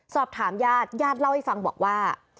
สอบถามญาติญาติเล่าให้ฟังบอกว่า